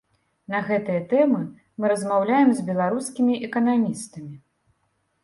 На гэтыя тэмы мы размаўляем з беларускімі эканамістамі.